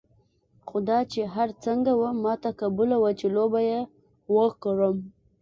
خو دا چې هر څنګه وه ما ته قبوله وه چې لوبه یې وکړم.